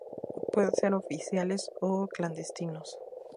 Pueden ser oficiales o clandestinos.